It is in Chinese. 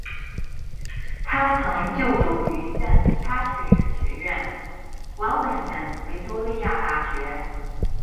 他曾就读于 Saint Patrick 学院、Wellington 维多利亚大学。